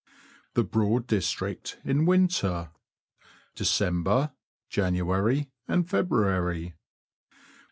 THE BROAD DISTRICT IN WINTER. DECEMBER, JANUARY, AND FEBRUARY.